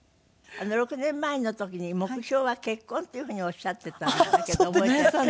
６年前の時に目標は結婚っていうふうにおっしゃっていたんだけど覚えていらっしゃった。